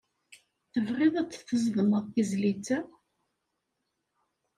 Tebɣiḍ ad d-tzedmeḍ tizlit-a?